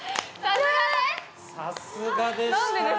さすがでしたね。